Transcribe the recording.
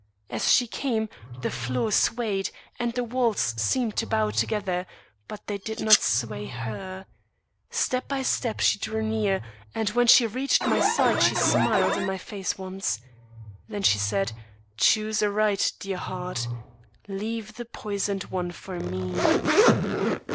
As she came, the floor swayed, and the walls seemed to bow together; but they did not sway her. Step by step, she drew near, and when she reached my side she smiled in my face once. Then she said: 'Choose aright, dear heart. Leave the poisoned one for me.